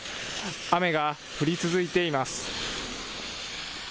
雨が降り続いています。